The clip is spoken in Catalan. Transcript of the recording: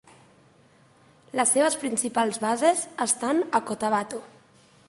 Les seves principals bases estan a Cotabato.